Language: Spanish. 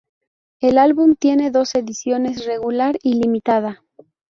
El álbum tiene dos ediciones: Regular y Limitada.